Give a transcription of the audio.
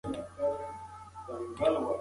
دا زموږ کلتوري ميراث دی.